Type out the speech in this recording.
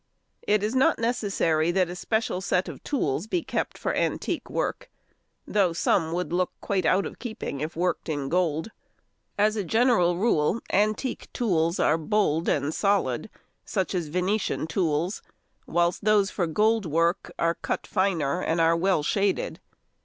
It is not necessary that a special set of tools be kept for antique work, although some would look quite out of keeping if worked in gold. As a general rule antique tools are bold and solid, such as Venetian tools, whilst those for gold work are cut finer and are well shaded.